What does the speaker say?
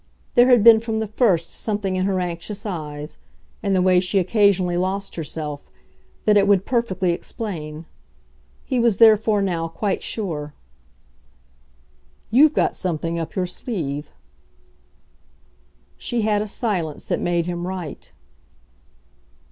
There had been from the first something in her anxious eyes, in the way she occasionally lost herself, that it would perfectly explain. He was therefore now quite sure. "You've got something up your sleeve." She had a silence that made him right.